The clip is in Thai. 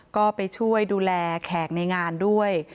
ก็ไปช่วยดูแลแขกในงานด้วย